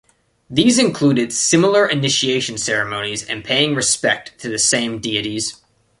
These included similar initiation ceremonies and paying respect to the same deities.